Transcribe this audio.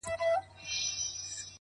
ډک گيلاسونه دي شرنگيږي؛ رېږدي بيا ميکده؛